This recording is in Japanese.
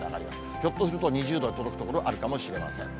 ひょっとすると、２０度に届く所もあるかもしれません。